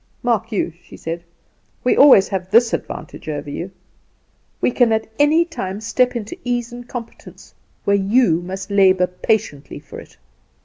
"Mark you," she said, "we have always this advantage over you we can at any time step into ease and competence, where you must labour patiently for it.